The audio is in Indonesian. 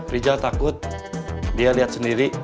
rijal takut dia lihat sendiri